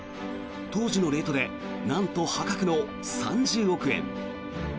当時のレートでなんと破格の３０億円。